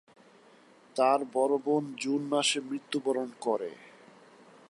তার বড় বোন জুন মাসে মৃত্যুবরণ করে।